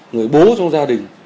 người bố trong gia đình